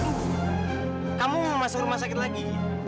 aduh kamu mau masuk rumah sakit lagi